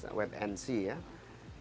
ada yang disebut sebagai wait and see